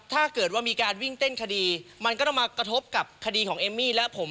ถ้าเกิดว่ามีการวิ่งเต้นคดีมันก็ต้องมากระทบกับคดีของเอมมี่และผม